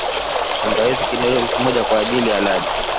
Tangawizi kidogo kimojaa kwaajili ya ladha